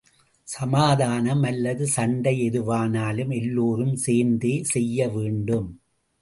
சமாதானம் அல்லது சண்டை எதுவானாலும் எல்லோரும் சேர்ந்தே செய்ய வேண்டும்.